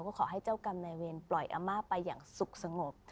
ก็ขอให้เจ้ากรรมนายเวรปล่อยอาม่าไปอย่างสุขสงบ